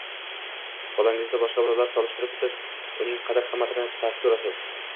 Bolangizni boshqa bolalar solishtirib siz uning qadr-qimmatini pastga urasiz.